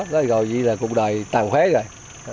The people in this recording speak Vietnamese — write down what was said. rồi vậy là cuộc đời tàn khóe rồi